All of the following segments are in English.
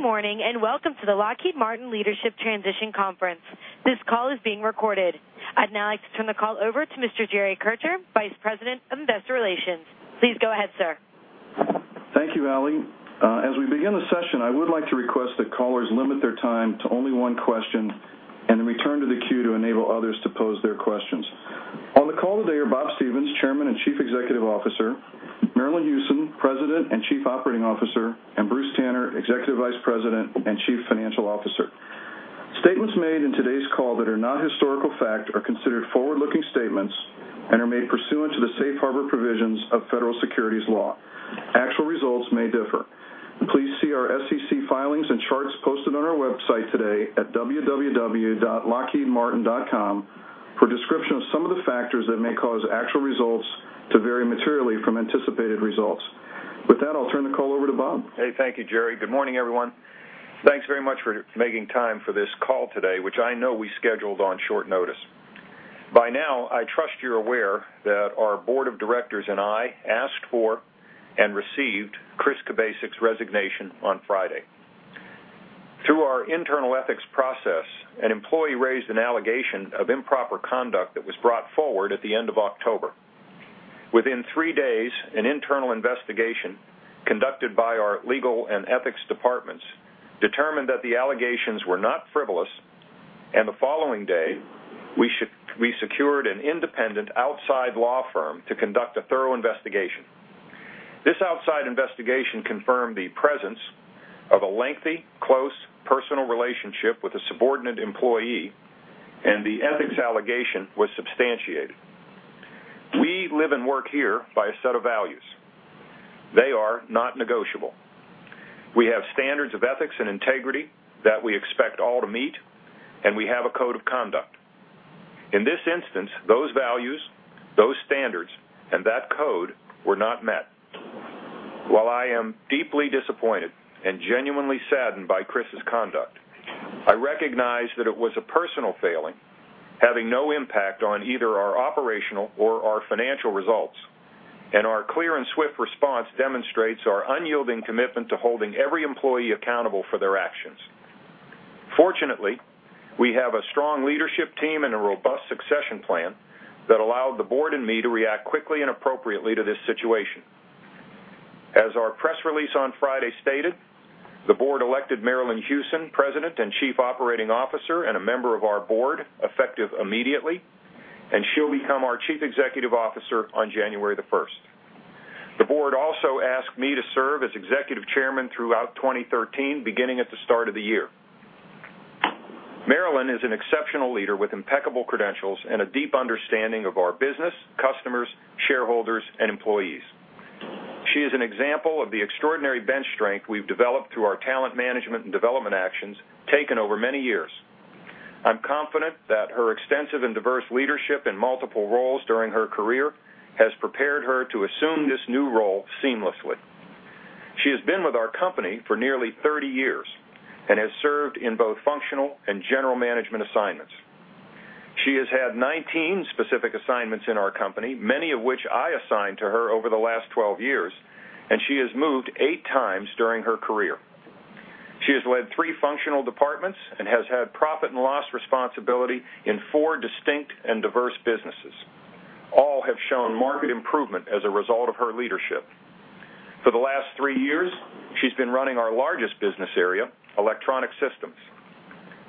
Good morning, welcome to the Lockheed Martin Leadership Transition Conference. This call is being recorded. I'd now like to turn the call over to Mr. Jerry Kircher, Vice President of Investor Relations. Please go ahead, sir. Thank you, Allie. As we begin the session, I would like to request that callers limit their time to only one question, then return to the queue to enable others to pose their questions. On the call today are Bob Stevens, Chairman and Chief Executive Officer, Marillyn Hewson, President and Chief Operating Officer, Bruce Tanner, Executive Vice President and Chief Financial Officer. Statements made in today's call that are not historical fact are considered forward-looking statements and are made pursuant to the safe harbor provisions of federal securities law. Actual results may differ. Please see our SEC filings and charts posted on our website today at www.lockheedmartin.com for a description of some of the factors that may cause actual results to vary materially from anticipated results. With that, I'll turn the call over to Bob. Hey. Thank you, Jerry. Good morning, everyone. Thanks very much for making time for this call today, which I know we scheduled on short notice. By now, I trust you're aware that our board of directors and I asked for and received Christopher Kubasik's resignation on Friday. Through our internal ethics process, an employee raised an allegation of improper conduct that was brought forward at the end of October. Within three days, an internal investigation conducted by our legal and ethics departments determined that the allegations were not frivolous, the following day, we secured an independent outside law firm to conduct a thorough investigation. This outside investigation confirmed the presence of a lengthy, close, personal relationship with a subordinate employee, the ethics allegation was substantiated. We live and work here by a set of values. They are not negotiable. We have standards of ethics and integrity that we expect all to meet, we have a code of conduct. In this instance, those values, those standards, that code were not met. While I am deeply disappointed and genuinely saddened by Chris's conduct, I recognize that it was a personal failing, having no impact on either our operational or our financial results. Our clear and swift response demonstrates our unyielding commitment to holding every employee accountable for their actions. Fortunately, we have a strong leadership team and a robust succession plan that allowed the board and me to react quickly and appropriately to this situation. As our press release on Friday stated, the board elected Marillyn Hewson, President and Chief Operating Officer, a member of our board, effective immediately, she'll become our Chief Executive Officer on January the 1st. The board also asked me to serve as Executive Chairman throughout 2013, beginning at the start of the year. Marillyn is an exceptional leader with impeccable credentials and a deep understanding of our business, customers, shareholders, and employees. She is an example of the extraordinary bench strength we've developed through our talent management and development actions taken over many years. I'm confident that her extensive and diverse leadership in multiple roles during her career has prepared her to assume this new role seamlessly. She has been with our company for nearly 30 years and has served in both functional and general management assignments. She has had 19 specific assignments in our company, many of which I assigned to her over the last 12 years, and she has moved eight times during her career. She has led three functional departments and has had profit and loss responsibility in four distinct and diverse businesses. All have shown market improvement as a result of her leadership. For the last three years, she's been running our largest business area, Electronic Systems.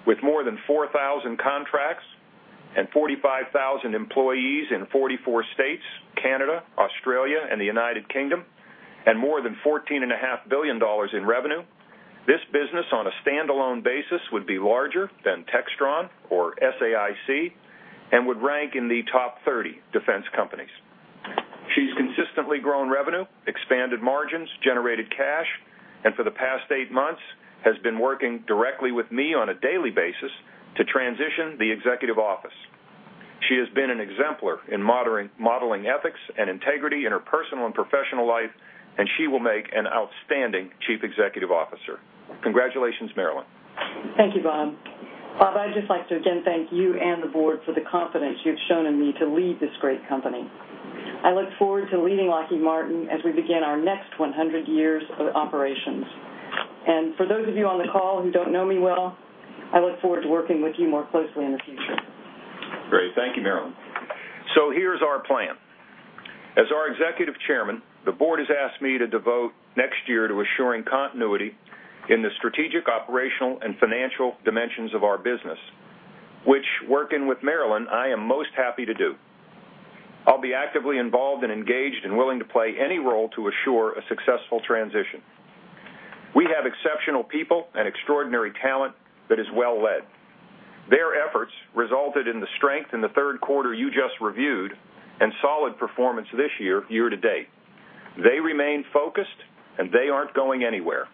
With more than 4,000 contracts and 45,000 employees in 44 states, Canada, Australia, and the U.K., and more than $14.5 billion in revenue, this business on a standalone basis would be larger than Textron or SAIC and would rank in the top 30 defense companies. She's consistently grown revenue, expanded margins, generated cash, and for the past eight months has been working directly with me on a daily basis to transition the executive office. She has been an exemplar in modeling ethics and integrity in her personal and professional life, and she will make an outstanding Chief Executive Officer. Congratulations, Marillyn. Thank you, Bob. Bob, I'd just like to again thank you and the board for the confidence you've shown in me to lead this great company. I look forward to leading Lockheed Martin as we begin our next 100 years of operations. For those of you on the call who don't know me well, I look forward to working with you more closely in the future. Great. Thank you, Marillyn. Here's our plan. As our executive chairman, the board has asked me to devote next year to assuring continuity in the strategic, operational, and financial dimensions of our business, which, working with Marillyn, I am most happy to do. I'll be actively involved and engaged and willing to play any role to assure a successful transition. We have exceptional people and extraordinary talent that is well led. Their efforts resulted in the strength in the third quarter you just reviewed and solid performance this year to date. They remain focused, they aren't going anywhere.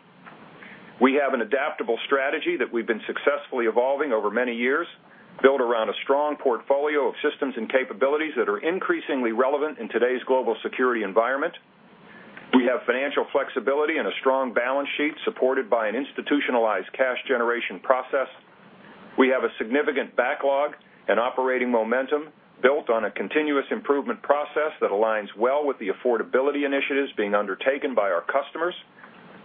We have an adaptable strategy that we've been successfully evolving over many years, built around a strong portfolio of systems and capabilities that are increasingly relevant in today's global security environment. We have financial flexibility and a strong balance sheet supported by an institutionalized cash generation process. We have a significant backlog and operating momentum built on a continuous improvement process that aligns well with the affordability initiatives being undertaken by our customers.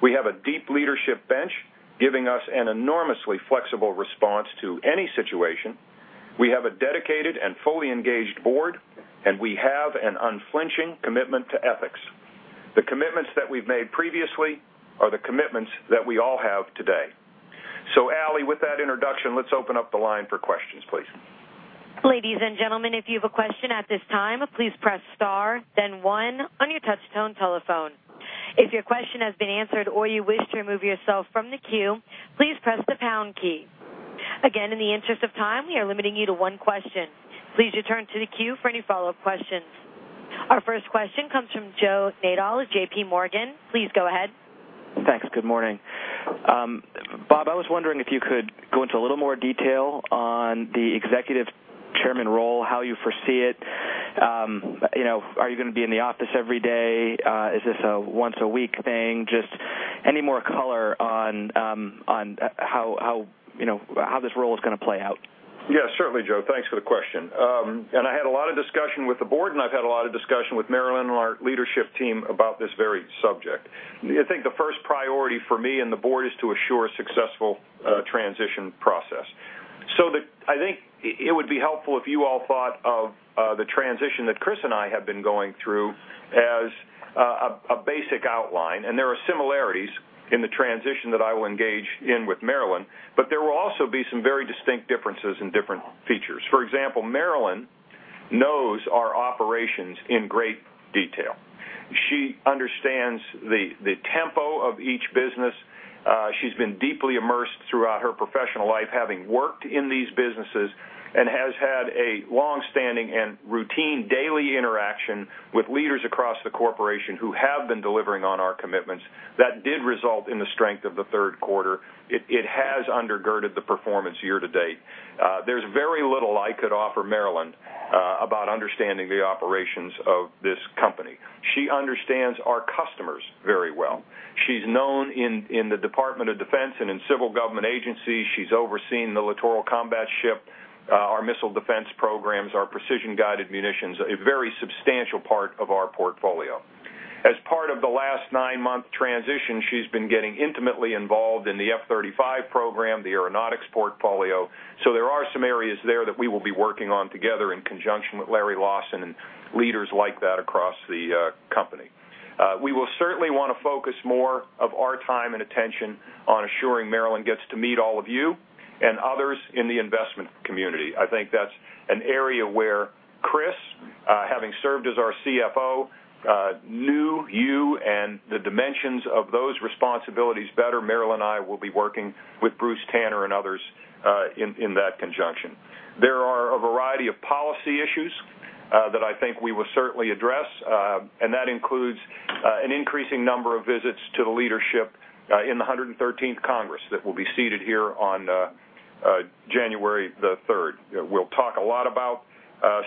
We have a deep leadership bench, giving us an enormously flexible response to any situation. We have a dedicated and fully engaged board, and we have an unflinching commitment to ethics. The commitments that we've made previously are the commitments that we all have today. Allie, with that introduction, let's open up the line for questions, please. Ladies and gentlemen, if you have a question at this time, please press star, then one on your touch-tone telephone. If your question has been answered or you wish to remove yourself from the queue, please press the pound key. Again, in the interest of time, we are limiting you to one question. Please return to the queue for any follow-up questions. Our first question comes from Joe Nadol of JPMorgan. Please go ahead. Thanks. Good morning. Bob, I was wondering if you could go into a little more detail on the executive chairman role, how you foresee it. Are you going to be in the office every day? Is this a once-a-week thing? Just any more color on how this role is going to play out. Yes, certainly, Joe. Thanks for the question. I had a lot of discussion with the board, and I've had a lot of discussion with Marillyn and our leadership team about this very subject. I think the first priority for me and the board is to assure a successful transition process. I think it would be helpful if you all thought of the transition that Chris and I have been going through as a basic outline. There are similarities in the transition that I will engage in with Marillyn, but there will also be some very distinct differences in different features. For example, Marillyn knows our operations in great detail. She understands the tempo of each business. She's been deeply immersed throughout her professional life, having worked in these businesses, and has had a long-standing and routine daily interaction with leaders across the corporation who have been delivering on our commitments that did result in the strength of the third quarter. It has undergirded the performance year to date. There's very little I could offer Marillyn about understanding the operations of this company. She understands our customers very well. She's known in the Department of Defense and in civil government agencies. She's overseen the Littoral Combat Ship, our missile defense programs, our precision-guided munitions, a very substantial part of our portfolio. As part of the last nine-month transition, she's been getting intimately involved in the F-35 program, the Aeronautics portfolio. There are some areas there that we will be working on together in conjunction with Larry Lawson and leaders like that across the company. We will certainly want to focus more of our time and attention on assuring Marillyn gets to meet all of you and others in the investment community. I think that's an area where Chris, having served as our CFO, knew you and the dimensions of those responsibilities better. Marillyn and I will be working with Bruce Tanner and others in that conjunction. That includes an increasing number of visits to the leadership in the 113th Congress that will be seated here on January the 3rd. We'll talk a lot about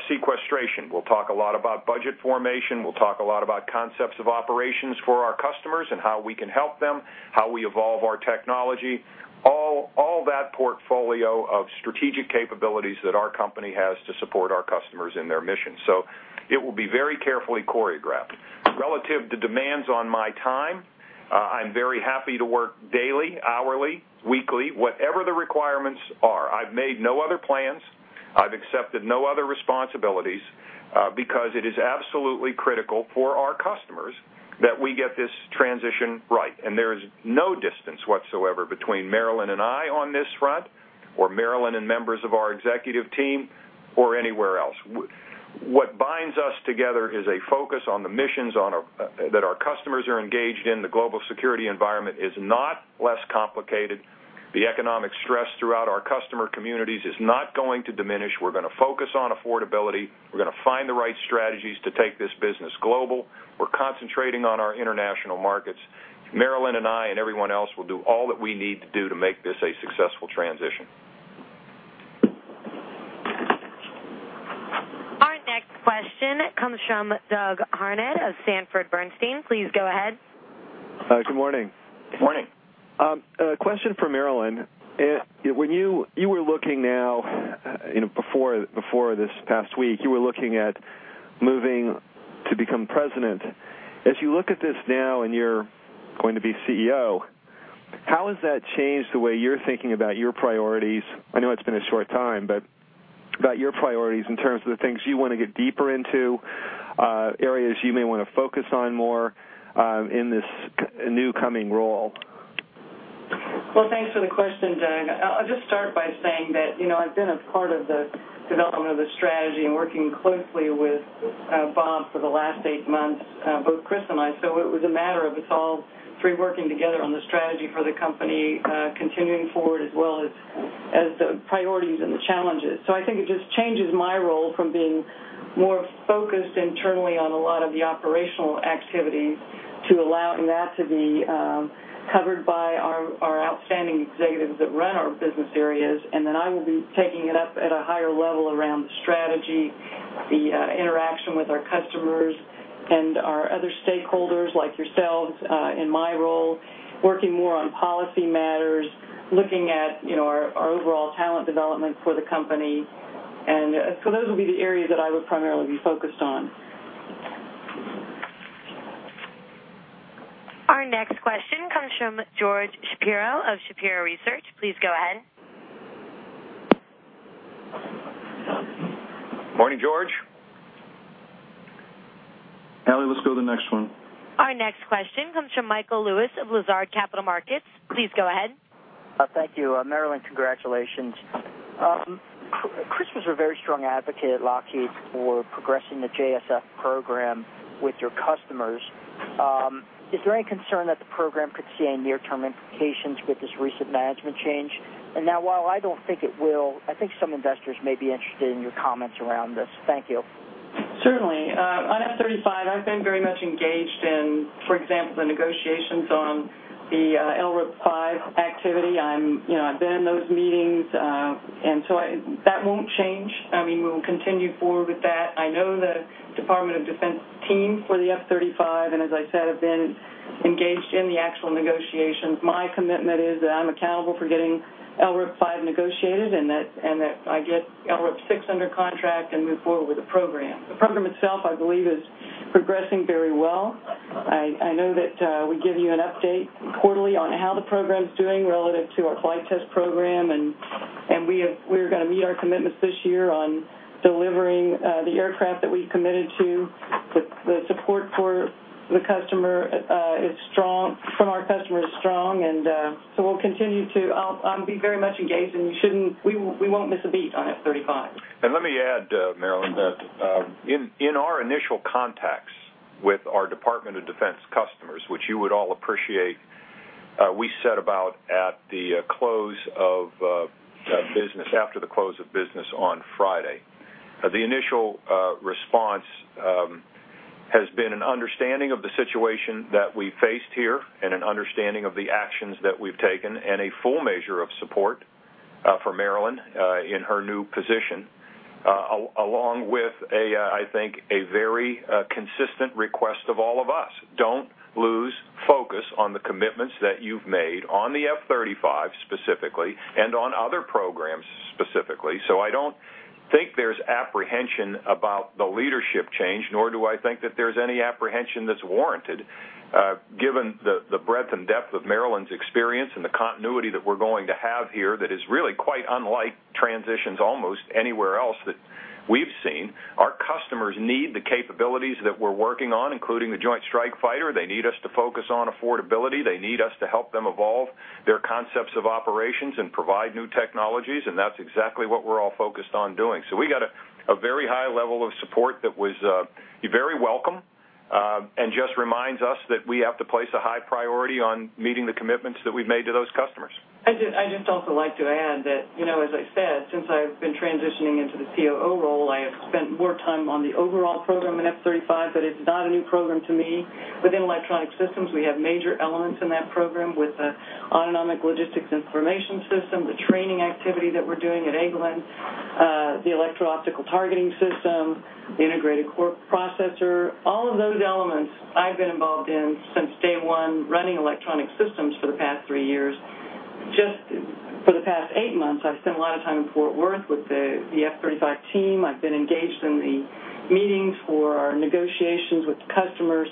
sequestration. We'll talk a lot about budget formation. We'll talk a lot about concepts of operations for our customers and how we can help them, how we evolve our technology, all that portfolio of strategic capabilities that our company has to support our customers in their mission. It will be very carefully choreographed. Relative to demands on my time, I'm very happy to work daily, hourly, weekly, whatever the requirements are. I've made no other plans. I've accepted no other responsibilities, because it is absolutely critical for our customers that we get this transition right, and there is no distance whatsoever between Marillyn and I on this front or Marillyn and members of our executive team or anywhere else. What binds us together is a focus on the missions that our customers are engaged in. The global security environment is not less complicated. The economic stress throughout our customer communities is not going to diminish. We're going to focus on affordability. We're going to find the right strategies to take this business global. We're concentrating on our international markets. Marillyn and I and everyone else will do all that we need to do to make this a successful transition. Our next question comes from Doug Harned of Sanford C. Bernstein. Please go ahead. Good morning. Good morning. A question for Marillyn. Before this past week, you were looking at moving to become President. As you look at this now, and you're going to be CEO, how has that changed the way you're thinking about your priorities? I know it's been a short time, but about your priorities in terms of the things you want to get deeper into, areas you may want to focus on more in this new coming role. Well, thanks for the question, Doug. I'll just start by saying that I've been a part of the development of the strategy and working closely with Bob for the last 8 months, both Chris and I. It was a matter of it's all three working together on the strategy for the company, continuing forward as well as the priorities and the challenges. I think it just changes my role from being more focused internally on a lot of the operational activities to allowing that to be covered by our outstanding executives that run our business areas. I will be taking it up at a higher level around the strategy. The interaction with our customers and our other stakeholders like yourselves, in my role, working more on policy matters, looking at our overall talent development for the company. Those will be the areas that I would primarily be focused on. Our next question comes from George Shapiro of Shapiro Research. Please go ahead. Morning, George. Allie, let's go to the next one. Our next question comes from Michael Lewis of Lazard Capital Markets. Please go ahead. Thank you. Marillyn, congratulations. Chris was a very strong advocate at Lockheed for progressing the JSF Program with your customers. Is there any concern that the Program could see any near-term implications with this recent management change? Now, while I don't think it will, I think some investors may be interested in your comments around this. Thank you. Certainly. On F-35, I've been very much engaged in, for example, the negotiations on the LRIP 5 activity. I've been in those meetings, so that won't change. We will continue forward with that. I know the Department of Defense team for the F-35, as I said, have been engaged in the actual negotiations. My commitment is that I'm accountable for getting LRIP 5 negotiated, that I get LRIP 6 under contract and move forward with the Program. The Program itself, I believe, is progressing very well. I know that we give you an update quarterly on how the Program's doing relative to our flight test program, we are going to meet our commitments this year on delivering the aircraft that we've committed to. The support from our customers is strong. We'll continue to. I'll be very much engaged, and we won't miss a beat on F-35. Let me add, Marillyn, that in our initial contacts with our Department of Defense customers, which you would all appreciate, we set about after the close of business on Friday. The initial response has been an understanding of the situation that we faced here and an understanding of the actions that we've taken and a full measure of support for Marillyn in her new position, along with, I think, a very consistent request of all of us. Don't lose focus on the commitments that you've made on the F-35 specifically and on other programs specifically. I don't think there's apprehension about the leadership change, nor do I think that there's any apprehension that's warranted given the breadth and depth of Marillyn's experience and the continuity that we're going to have here that is really quite unlike transitions almost anywhere else that we've seen. Our customers need the capabilities that we're working on, including the Joint Strike Fighter. They need us to focus on affordability. They need us to help them evolve their concepts of operations and provide new technologies, and that's exactly what we're all focused on doing. We got a very high level of support that was very welcome, and just reminds us that we have to place a high priority on meeting the commitments that we've made to those customers. I'd just also like to add that, as I said, since I've been transitioning into the COO role, I have spent more time on the overall program in F-35, but it's not a new program to me. Within Electronic Systems, we have major elements in that program with the Autonomic Logistics Information System, the training activity that we're doing at Eglin, the Electro-Optical Targeting System, the Integrated Core Processor. All of those elements I've been involved in since day one, running Electronic Systems for the past three years. Just for the past eight months, I've spent a lot of time in Fort Worth with the F-35 team. I've been engaged in the meetings for our negotiations with the customers.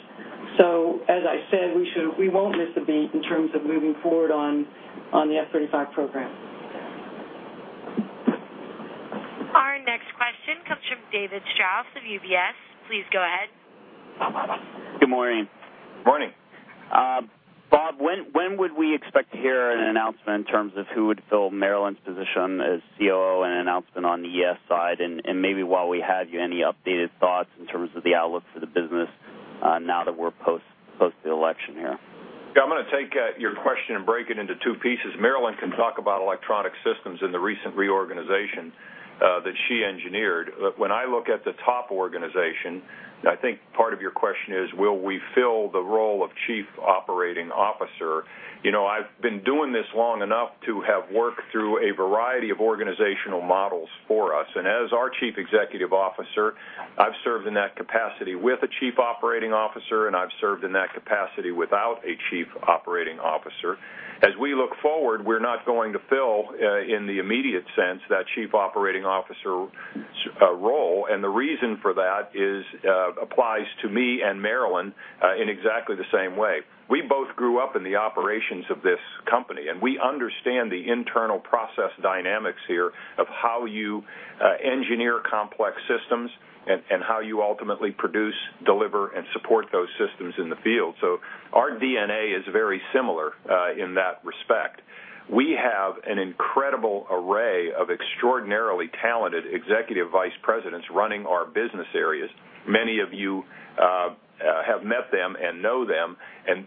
As I said, we won't miss a beat in terms of moving forward on the F-35 program. Our next question comes from David Strauss of UBS. Please go ahead. Good morning. Morning. Bob, when would we expect to hear an announcement in terms of who would fill Marillyn's position as COO and announcement on the ES side? Maybe while we have you, any updated thoughts in terms of the outlook for the business now that we're post the election here? I'm going to take your question and break it into two pieces. Marillyn can talk about Electronic Systems and the recent reorganization that she engineered. When I look at the top organization, and I think part of your question is, will we fill the role of chief operating officer? As our chief executive officer, I've served in that capacity with a chief operating officer, and I've served in that capacity without a chief operating officer. As we look forward, we're not going to fill, in the immediate sense, that chief operating officer role, and the reason for that applies to me and Marillyn in exactly the same way. We both grew up in the operations of this company. We understand the internal process dynamics here of how you engineer complex systems and how you ultimately produce, deliver, and support those systems in the field. Our DNA is very similar in that respect. We have an incredible array of extraordinarily talented Executive Vice Presidents running our business areas. Many of you have met them and know them.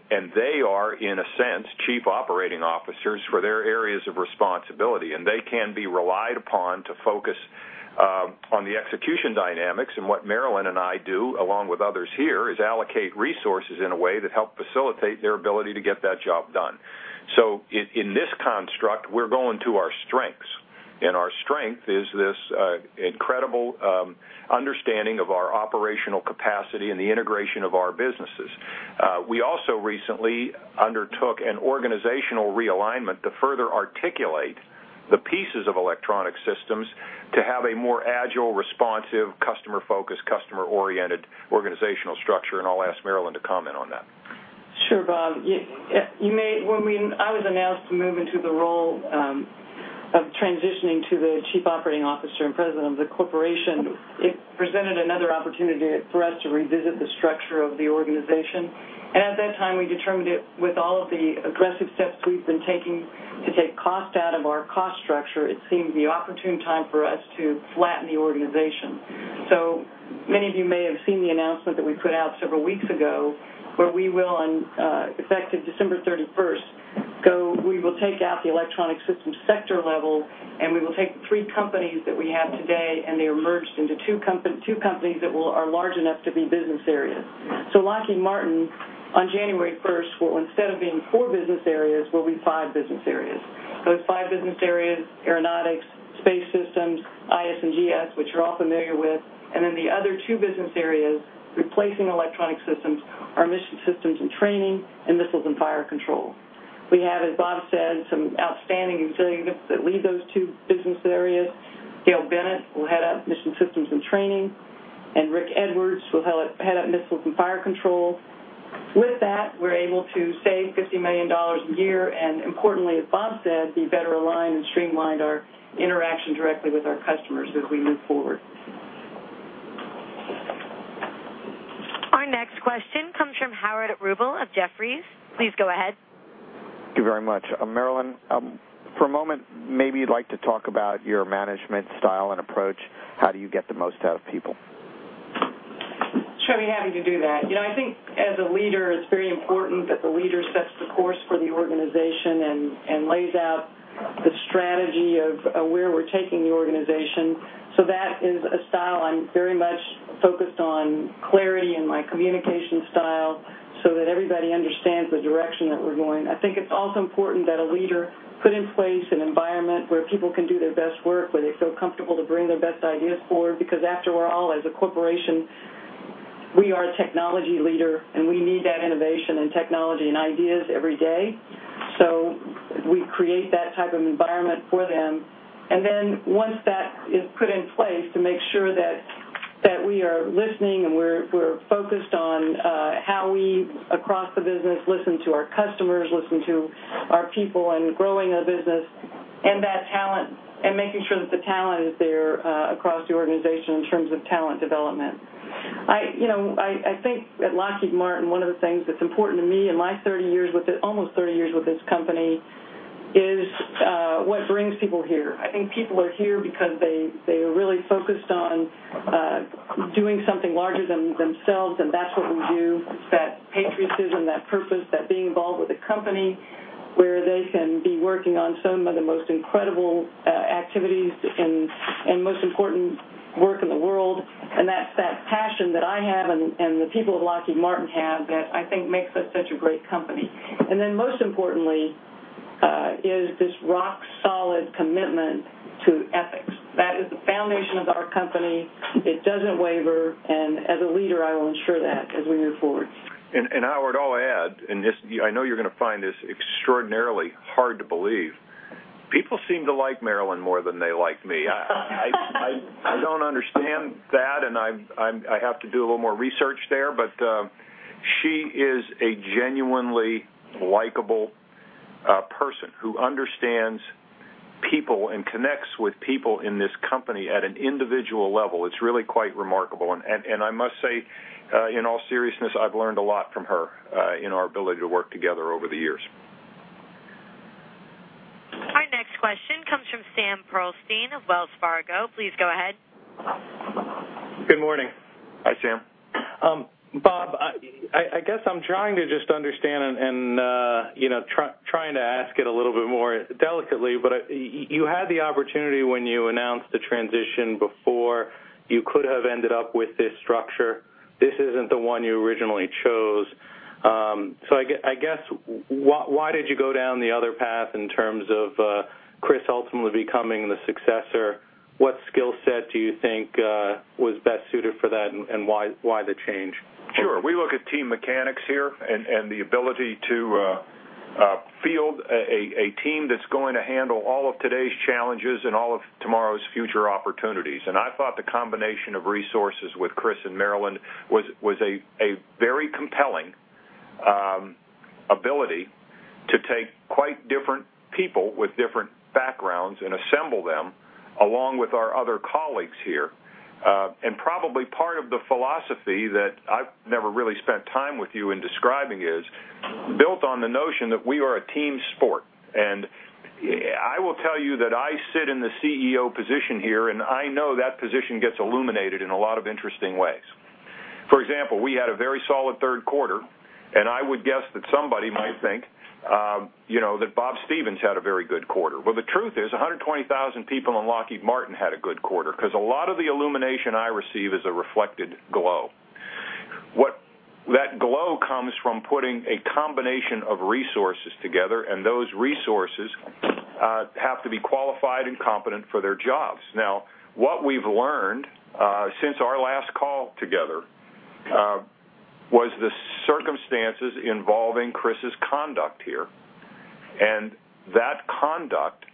They are, in a sense, Chief Operating Officers for their areas of responsibility, and they can be relied upon to focus on the execution dynamics. What Marillyn and I do, along with others here, is allocate resources in a way that help facilitate their ability to get that job done. In this construct, we're going to our strengths, and our strength is this incredible understanding of our operational capacity and the integration of our businesses. We also recently undertook an organizational realignment to further articulate the pieces of Electronic Systems to have a more agile, responsive, customer-focused, customer-oriented organizational structure. I'll ask Marillyn to comment on that. Sure, Bob. When I was announced to move into the role of transitioning to the Chief Operating Officer and President of the corporation, it presented another opportunity for us to revisit the structure of the organization. At that time, we determined with all of the aggressive steps we've been taking to take cost out of our cost structure, it seemed the opportune time for us to flatten the organization. Many of you may have seen the announcement that we put out several weeks ago, where we will, effective December 31st, we will take out the Electronic Systems sector level. We will take the three companies that we have today, and they are merged into two companies that are large enough to be business areas. Lockheed Martin, on January 1st, will instead of being four business areas, will be five business areas. Those five business areas, Aeronautics, Space Systems, IS&GS, which you're all familiar with, and then the other two business areas replacing Electronic Systems are Mission Systems and Training and Missiles and Fire Control. We have, as Bob said, some outstanding executives that lead those two business areas. Dale Bennett will head up Mission Systems and Training, and Rick Edwards will head up Missiles and Fire Control. With that, we're able to save $50 million a year. Importantly, as Bob said, be better aligned and streamlined our interaction directly with our customers as we move forward. Our next question comes from Howard Rubel of Jefferies. Please go ahead. Thank you very much. Marillyn, for a moment, maybe you'd like to talk about your management style and approach. How do you get the most out of people? Sure, I'd be happy to do that. I think as a leader, it's very important that the leader sets the course for the organization and lays out the strategy of where we're taking the organization. That is a style I'm very much focused on clarity in my communication style so that everybody understands the direction that we're going. I think it's also important that a leader put in place an environment where people can do their best work, where they feel comfortable to bring their best ideas forward, because after all, as a corporation, we are a technology leader, and we need that innovation and technology and ideas every day. We create that type of environment for them. Once that is put in place, to make sure that we are listening and we're focused on how we, across the business, listen to our customers, listen to our people, and growing a business, and making sure that the talent is there across the organization in terms of talent development. I think at Lockheed Martin, one of the things that's important to me in my almost 30 years with this company is what brings people here. I think people are here because they are really focused on doing something larger than themselves, and that's what we do. It's that patriotism, that purpose, that being involved with a company where they can be working on some of the most incredible activities and most important work in the world. That's that passion that I have and the people of Lockheed Martin have that I think makes us such a great company. Most importantly, is this rock-solid commitment to ethics. That is the foundation of our company. It doesn't waver, and as a leader, I will ensure that as we move forward. Howard, I'll add, and I know you're going to find this extraordinarily hard to believe. People seem to like Marillyn more than they like me. I don't understand that, and I have to do a little more research there, but she is a genuinely likable person who understands people and connects with people in this company at an individual level. It's really quite remarkable. I must say, in all seriousness, I've learned a lot from her in our ability to work together over the years. Our next question comes from Samuel Pearlstein of Wells Fargo. Please go ahead. Good morning. Hi, Sam. Bob, I guess I'm trying to just understand and trying to ask it a little bit more delicately, you had the opportunity when you announced the transition before, you could have ended up with this structure. This isn't the one you originally chose. I guess, why did you go down the other path in terms of Chris ultimately becoming the successor? What skill set do you think was best suited for that, and why the change? Sure. We look at team mechanics here and the ability to field a team that's going to handle all of today's challenges and all of tomorrow's future opportunities. I thought the combination of resources with Chris and Marillyn was a very compelling ability to take quite different people with different backgrounds and assemble them along with our other colleagues here. Probably part of the philosophy that I've never really spent time with you in describing is, built on the notion that we are a team sport. I will tell you that I sit in the CEO position here, and I know that position gets illuminated in a lot of interesting ways. For example, we had a very solid third quarter, and I would guess that somebody might think that Bob Stevens had a very good quarter. The truth is, 120,000 people in Lockheed Martin had a good quarter because a lot of the illumination I receive is a reflected glow. That glow comes from putting a combination of resources together, and those resources have to be qualified and competent for their jobs. What we've learned since our last call together was the circumstances involving Chris's conduct here, and that conduct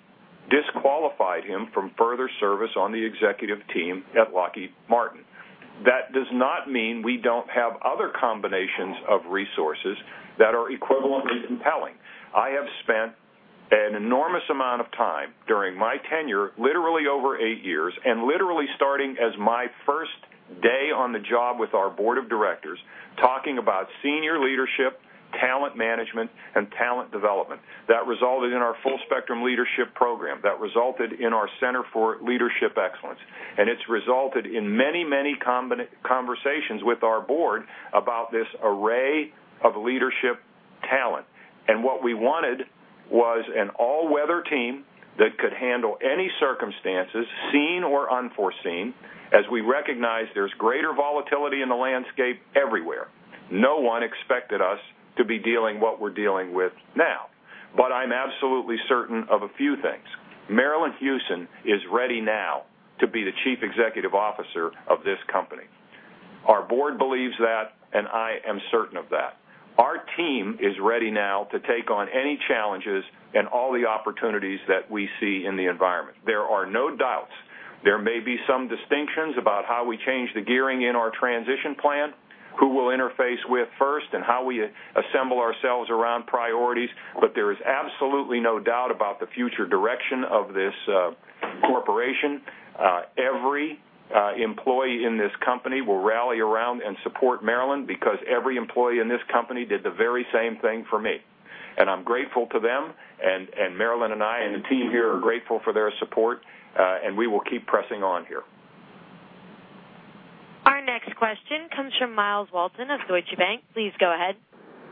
disqualified him from further service on the executive team at Lockheed Martin. That does not mean we don't have other combinations of resources that are equivalently compelling. I have spent an enormous amount of time during my tenure, literally over eight years, and literally starting as my first day on the job with our board of directors, talking about senior leadership, talent management, and talent development. That resulted in our Full Spectrum Leadership program, that resulted in our Center for Leadership Excellence, it's resulted in many conversations with our board about this array of leadership talent. What we wanted was an all-weather team that could handle any circumstances, seen or unforeseen, as we recognize there's greater volatility in the landscape everywhere. No one expected us to be dealing what we're dealing with now. I'm absolutely certain of a few things. Marillyn Hewson is ready now to be the Chief Executive Officer of this company. Our board believes that, I am certain of that. Our team is ready now to take on any challenges and all the opportunities that we see in the environment. There are no doubts. There may be some distinctions about how we change the gearing in our transition plan, who we'll interface with first, and how we assemble ourselves around priorities, there is absolutely no doubt about the future direction of this corporation. Every employee in this company will rally around and support Marillyn because every employee in this company did the very same thing for me. I'm grateful to them, Marillyn and I and the team here are grateful for their support, we will keep pressing on here. Our next question comes from Myles Walton of Deutsche Bank. Please go ahead.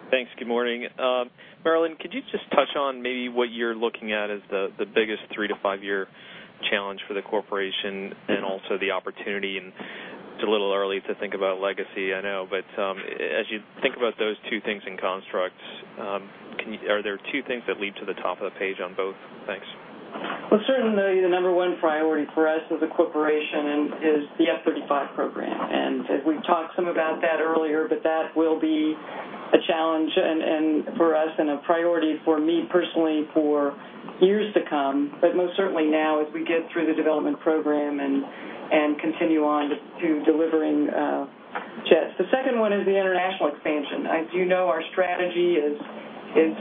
Thanks. Good morning. Marillyn, could you just touch on maybe what you're looking at as the biggest three-to-five-year challenge for the corporation and also the opportunity? It's a little early to think about legacy, I know. As you think about those two things in construct, are there two things that leap to the top of the page on both? Thanks. Certainly the number one priority for us as a corporation is the F-35 program. We've talked some about that earlier, but that will be a challenge for us and a priority for me personally for years to come, but most certainly now as we get through the development program and continue on to delivering jets. The second one is the international expansion. As you know, our strategy is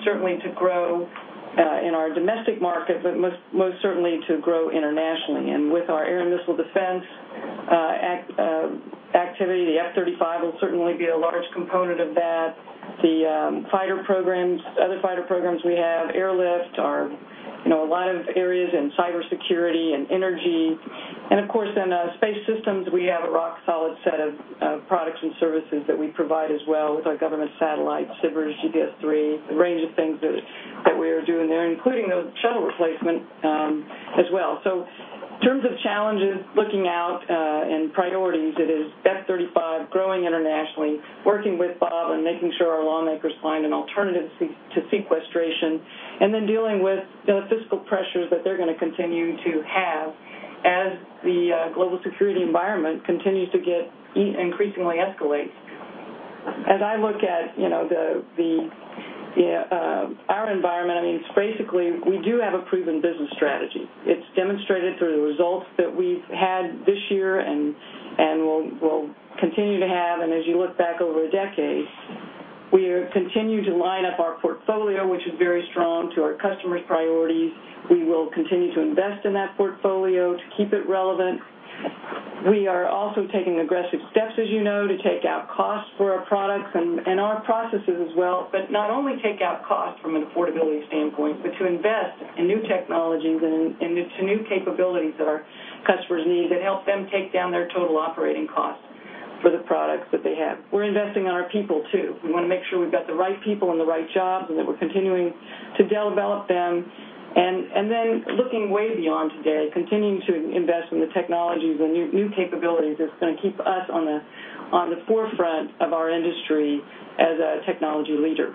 certainly to grow in our domestic market, but most certainly to grow internationally. With our air and missile defense activity, the F-35 will certainly be a large component of that. The other fighter programs we have, airlift, a lot of areas in cybersecurity and energy. Of course, in Space Systems, we have a rock-solid set of products and services that we provide as well with our government satellites, SBIRS, GPS III, a range of things that we are doing there, including the shuttle replacement as well. In terms of challenges, looking out, and priorities, it is F-35, growing internationally, working with Bob, and making sure our lawmakers find an alternative to sequestration, and then dealing with the fiscal pressures that they're going to continue to have as the global security environment continues to increasingly escalate. As I look at our environment, basically, we do have a proven business strategy. It's demonstrated through the results that we've had this year and will continue to have. As you look back over a decade, we continue to line up our portfolio, which is very strong, to our customers' priorities. We will continue to invest in that portfolio to keep it relevant. We are also taking aggressive steps, as you know, to take out costs for our products and our processes as well, but not only take out costs from an affordability standpoint, but to invest in new technologies and into new capabilities that our customers need that help them take down their total operating costs for the products that they have. We're investing in our people, too. We want to make sure we've got the right people in the right jobs, and that we're continuing to develop them. Looking way beyond today, continuing to invest in the technologies and new capabilities that's going to keep us on the forefront of our industry as a technology leader.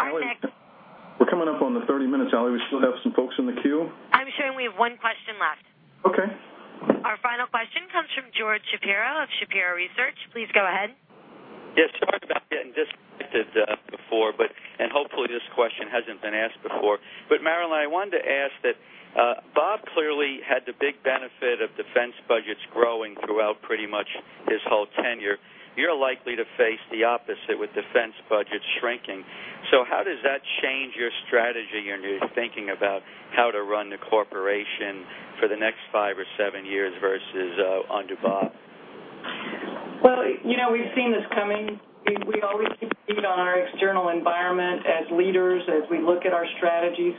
Our next- Allie, we're coming up on the 30 minutes. Allie, we still have some folks in the queue. I'm showing we have one question left. Okay. Our final question comes from George Shapiro of Shapiro Research. Please go ahead. Yes, sorry about getting disconnected before, and hopefully this question hasn't been asked before. Marillyn, I wanted to ask that Bob clearly had the big benefit of defense budgets growing throughout pretty much his whole tenure. You're likely to face the opposite with defense budgets shrinking. How does that change your strategy and your thinking about how to run the corporation for the next five or seven years versus under Bob? Well, we've seen this coming. We always compete on our external environment as leaders, as we look at our strategy.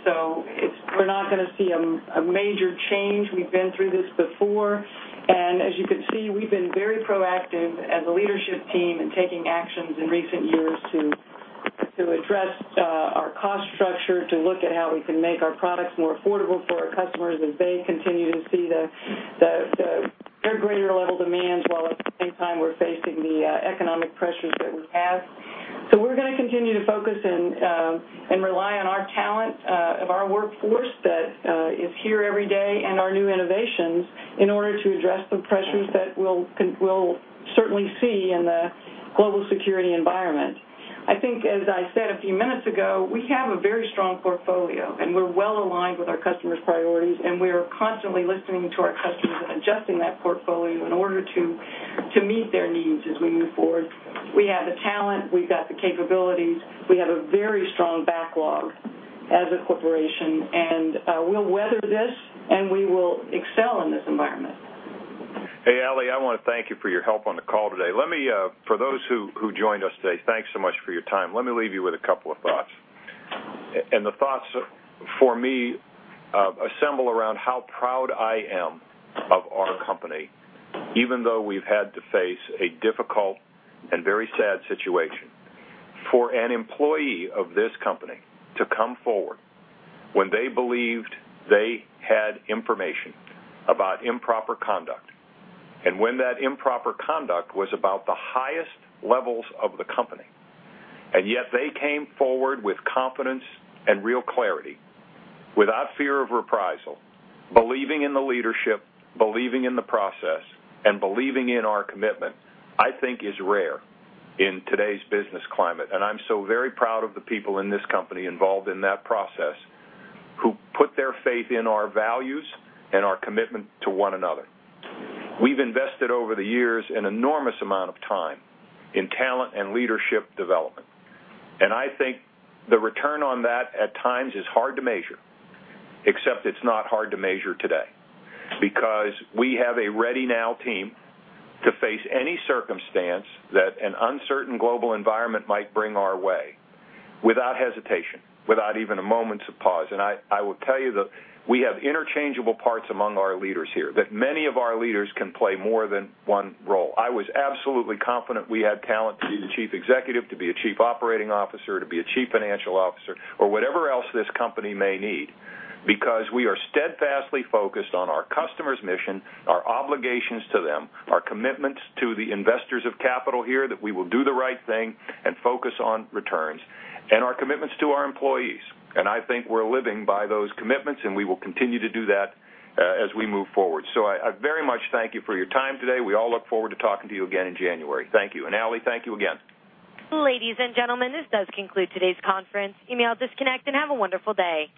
We're not going to see a major change. We've been through this before. As you can see, we've been very proactive as a leadership team in taking actions in recent years to To address our cost structure, to look at how we can make our products more affordable for our customers as they continue to see the greater level demands, while at the same time we're facing the economic pressures that we have. We're going to continue to focus and rely on our talent of our workforce that is here every day and our new innovations in order to address the pressures that we'll certainly see in the global security environment. I think, as I said a few minutes ago, we have a very strong portfolio, and we're well-aligned with our customers' priorities, and we are constantly listening to our customers and adjusting that portfolio in order to meet their needs as we move forward. We have the talent, we've got the capabilities, we have a very strong backlog as a corporation, and we'll weather this, and we will excel in this environment. Hey, Allie, I want to thank you for your help on the call today. For those who joined us today, thanks so much for your time. Let me leave you with a couple of thoughts. The thoughts for me assemble around how proud I am of our company, even though we've had to face a difficult and very sad situation. For an employee of this company to come forward when they believed they had information about improper conduct, and when that improper conduct was about the highest levels of the company, and yet they came forward with confidence and real clarity, without fear of reprisal, believing in the leadership, believing in the process, and believing in our commitment, I think is rare in today's business climate. I'm so very proud of the people in this company involved in that process, who put their faith in our values and our commitment to one another. We've invested over the years an enormous amount of time in talent and leadership development. I think the return on that at times is hard to measure, except it's not hard to measure today, because we have a ready now team to face any circumstance that an uncertain global environment might bring our way without hesitation, without even a moment's pause. I will tell you that we have interchangeable parts among our leaders here, that many of our leaders can play more than one role. I was absolutely confident we had talent to be the chief executive, to be a chief operating officer, to be a chief financial officer, or whatever else this company may need, because we are steadfastly focused on our customers' mission, our obligations to them, our commitments to the investors of capital here that we will do the right thing and focus on returns, and our commitments to our employees. I think we're living by those commitments, and we will continue to do that as we move forward. I very much thank you for your time today. We all look forward to talking to you again in January. Thank you. Allie, thank you again. Ladies and gentlemen, this does conclude today's conference. You may all disconnect and have a wonderful day.